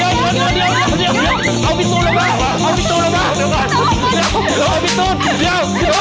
เอาพี่ตูนล่ะว่ะ